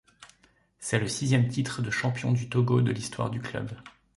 C'est le sixième titre de champion du Togo de l'histoire du club.